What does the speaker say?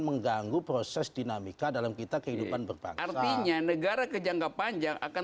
mengganggu proses dinamika dalam kita kehidupan berpartinya negara kejangka panjang akan